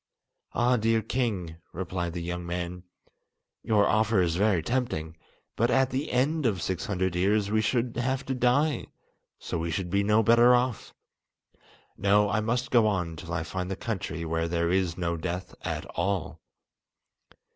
"Ah, dear king," replied the young man, "your offer is very tempting! But at the end of six hundred years we should have to die, so we should be no better off! No, I must go on till I find the country where there is no death at all."